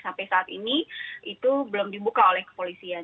sampai saat ini itu belum dibuka oleh kepolisian